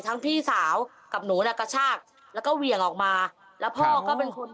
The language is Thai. พี่สาวกับหนูน่ะกระชากแล้วก็เหวี่ยงออกมาแล้วพ่อก็เป็นคน